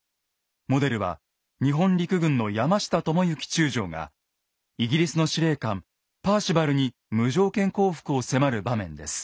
モデルは日本陸軍の山下奉文中将がイギリスの司令官パーシバルに無条件降伏を迫る場面です。